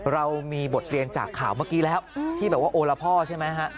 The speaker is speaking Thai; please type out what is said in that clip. เรามีบทเรียนจากข่าวเมื่อกี้แล้วที่แบบว่าโอละพ่อใช่ไหมฮะ